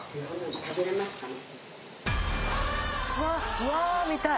うわあ見たい！